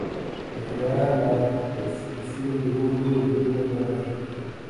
Al final, la reconciliación reúne de nuevo a toda la familia.